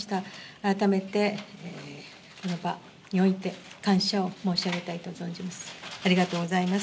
改めて、この場において感謝を申し上げたいと存じます。